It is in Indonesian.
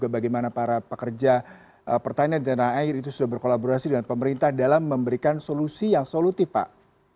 bagaimana para pekerja pertanian di tanah air itu sudah berkolaborasi dengan pemerintah dalam memberikan solusi yang solutif pak